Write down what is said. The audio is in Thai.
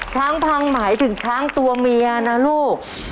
ช้างพังหมายถึงช้างตัวเมียนะลูก